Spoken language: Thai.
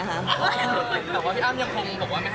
พี่อ้ำยังหรือ่มบอกไม่ให้พี่ดุยเห็นแฟน